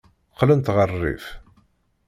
Qqlent ɣer rrif.